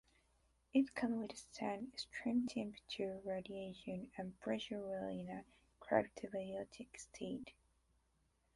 It can withstand extreme temperature, radiation, and pressure while in a cryptobiotic state.